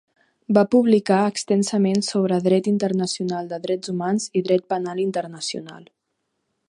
Va publicar extensament sobre dret internacional de drets humans i dret penal internacional.